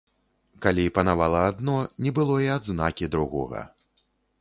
Калі панавала адно, не было і адзнакі другога.